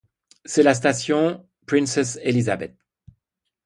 C'est la station Princesse Elisabeth.